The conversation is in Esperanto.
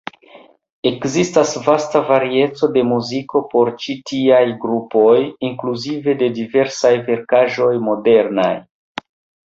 Ekzistas vasta varieco de muziko por ĉi tiaj grupoj, inkluzive de diversaj verkaĵoj modernaj.